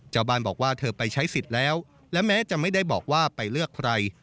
ชาวบ้านบอกว่าเธอไปใช้สิทธิ์แล้วและแม้จะไม่ได้บอกว่าไปเลือกใคร